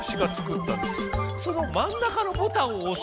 そのまん中のボタンをおす。